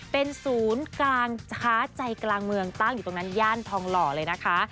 เป็นศูนย์กลางช้าใจกลางเมืองตั้งอยู่ตรงนั้นย่านทองหล่อเลยนะคะ